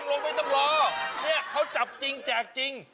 ลงไม่ต้องรอเนี่ยเขาจับจริงแจกจริง